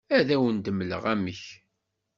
Ad awen-d-mleɣ amek.